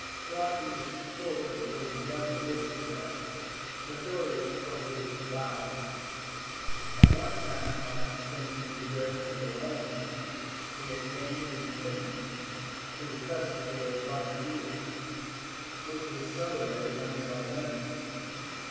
CLODIUS PULCHER was a young aristocrat, notorious for his wildness. At one time, by assuming the dress of a woman, he had gained admittance to the festival of Bona Dea, which was celebrated only by women.